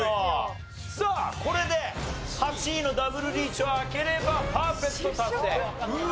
さあこれで８位のダブルリーチを開ければパーフェクト達成。